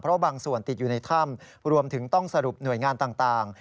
เพราะบางส่วนติดอยู่ในถ้ำรวมถึงต้องสรุปหน่วยงานต่าง